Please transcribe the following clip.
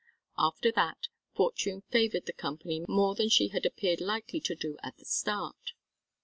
After that, fortune favoured the Company more than she had appeared likely to do at the start.